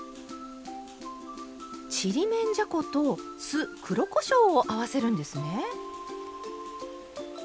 ちりめんじゃこと酢黒こしょうを合わせるんですね！